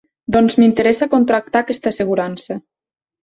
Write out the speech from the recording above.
Doncs m'interessa contractar aquesta assegurança.